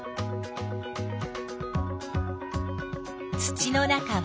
土の中は？